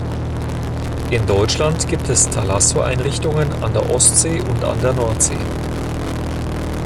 In Deutschland gibt es Thalasso-Einrichtungen an der Ostsee und an der Nordsee.